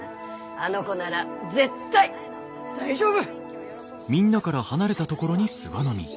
あの子なら絶対大丈夫！